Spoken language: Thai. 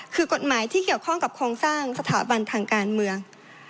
คือกฎหมายที่เกี่ยวข้องกับโครงสร้างสถาบันทางการเมือง